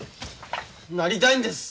なりたいんです。